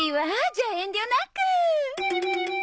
じゃあ遠慮なく！